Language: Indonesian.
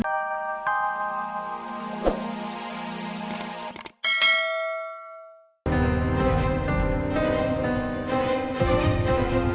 harusnya pelukan itu untuk keisha noh